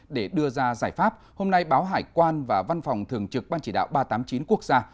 để đưa ra giải pháp hôm nay báo hải quan và văn phòng thường trực ban chỉ đạo ba trăm tám mươi chín quốc gia